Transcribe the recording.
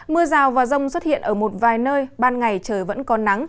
mưa rào và rông xuất hiện ở một vài nơi ban ngày trời vẫn có nắng